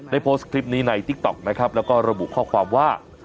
โพสต์คลิปนี้ในติ๊กต๊อกนะครับแล้วก็ระบุข้อความว่า